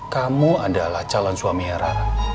kamu adalah calon suaminya rara